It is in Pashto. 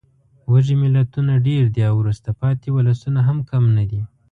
وږې ملتونه ډېر دي او وروسته پاتې ولسونه هم کم نه دي.